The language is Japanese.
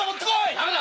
ダメだ！